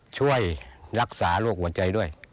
ช่วยรักษาโรคหัวใจด้วย